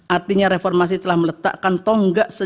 artinya reformasi telah meletakkan tonggak sejarah